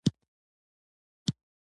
لازم وضاحت ورکړل سو او د ستونزو